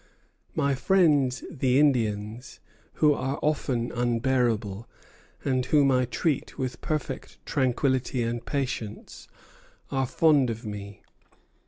My friends the Indians, who are often unbearable, and whom I treat with perfect tranquillity and patience, are fond of me.